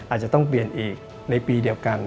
อาจจะต้องเปลี่ยนอีกในปีเดียวกัน